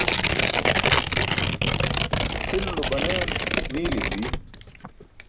cʰilulo banen niilin bi